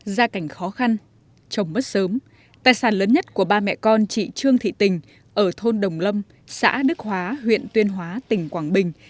gia cảnh khó khăn chồng mất sớm tài sản lớn nhất của ba mẹ con chị trương thị tình ở thôn đồng lâm xã đức hóa huyện tuyên hóa tỉnh quảng bình